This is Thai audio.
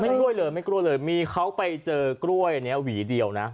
กล้วยเลยไม่กล้วยเลยมีเขาไปเจอกล้วยอันนี้หวีเดียวนะ